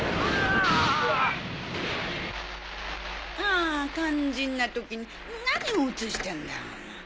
あぁ肝心な時に何を映してんだ！